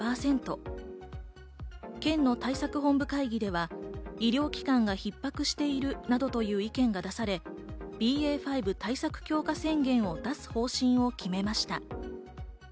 県の対策本部会議では医療機関がひっ迫しているなどという意見が出され、ＢＡ．５対策強化宣言を出す方針を決めました。